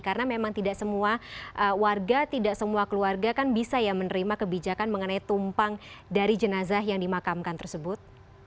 karena memang tidak semua warga tidak semua keluarga kan bisa ya menerima kebijakan mengenai tumpang dari jenazah yang dimakamkan tersebut